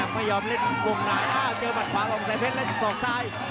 ไม่ยอมเล่นวงหลายหน้าเจอหมัดขวาของแสนเพชรและสองซ้าย